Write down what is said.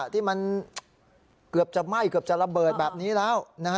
ที่มันเกือบจะไหม้เกือบจะระเบิดแบบนี้แล้ว